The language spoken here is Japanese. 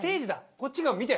こっち側見て。